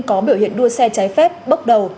có biểu hiện đua xe trái phép bốc đầu